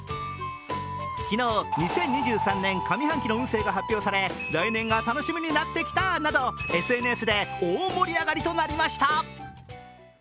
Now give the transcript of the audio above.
昨日、２０２３年上半期の運勢が発表され来年が楽しみになってきた！などＳＮＳで大盛り上がりとなりました。